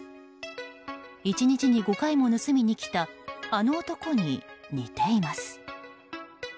１日に５回も盗みに来たあの男に似ています。